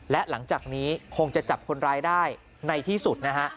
และหลังจากนี้คงจะจับคนร้ายได้ในที่สุดนะฮะ